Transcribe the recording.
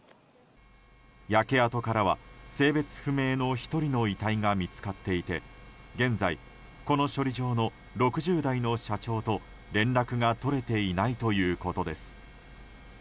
焼け跡からは性別不明の１人の遺体が見つかっていて現在、この処理場の６０代の社長と連絡が取れていないということです。